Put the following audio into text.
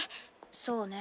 そうね。